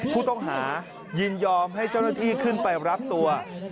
ผู้ต้องหายินยอมให้เจ้าหน้าที่ขึ้นไปรับตัว